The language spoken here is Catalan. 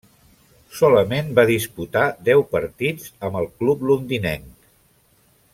Solament va disputar deu partits amb el club londinenc.